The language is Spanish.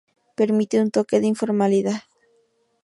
Permite un toque de informalidad.